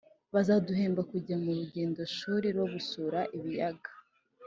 bazaduhemba kujya mu rugendoshuri rwo gusura ibiyaga